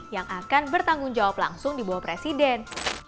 yang akan bertanggung jawab langsung di bawah presiden